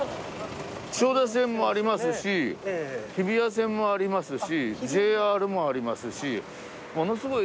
千代田線もありますし日比谷線もありますしＪＲもありますしものすごい